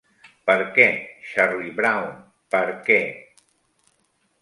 Per què, Charlie Brown, per què?